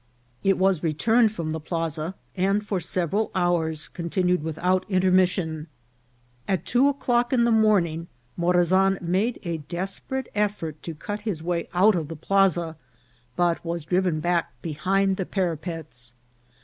It was returned from the plaza, and for several hours continued without intermission. At two o'clock in the morning Morazan made a despe rate effort to cut his way out of the plaza, but was driv en back behind the parapets.